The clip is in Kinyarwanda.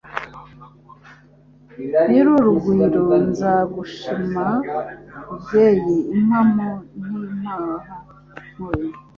Nyir'urugwiro nzagushimaMubyeyi impamo ntimpahamure.